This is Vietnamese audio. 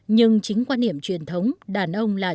nhưng chính quan điểm truyền thống của thủ tướng shinzo abe là